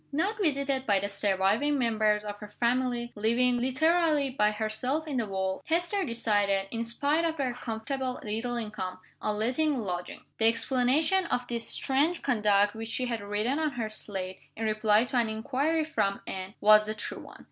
Not visited by the surviving members of her family, living, literally, by herself in the world, Hester decided, in spite of her comfortable little income, on letting lodgings. The explanation of this strange conduct which she had written on her slate, in reply to an inquiry from Anne, was the true one.